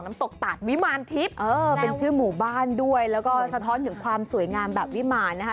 น้ำตกตัดวิมาณทิศเป็นชื่อหมู่บ้านด้วยแล้วก็สะพ้นถึงความสวยงามแบบวิมาณนะคะ